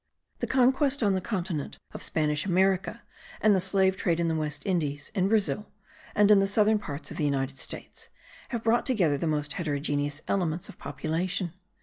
The Conquest on the continent of Spanish America and the slave trade in the West Indies, in Brazil, and in the southern parts of the United States, have brought together the most heterogeneous elements of population.